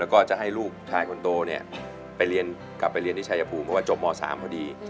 แล้วก็จะให้ลูกชายคนโตเนี่ยไปเรียนกลับไปเรียนที่ชายภูมิเพราะว่าจบม๓พอดี